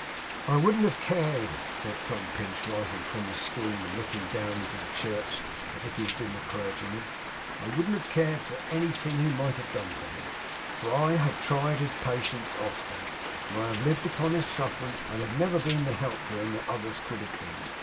'I wouldn't have cared,' said Tom Pinch, rising from his stool and looking down into the church as if he had been the Clergyman, 'I wouldn't have cared for anything he might have done to Me, for I have tried his patience often, and have lived upon his sufferance and have never been the help to him that others could have been.